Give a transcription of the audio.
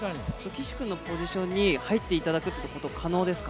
岸君のポジションに入っていただくってこと、可能ですか？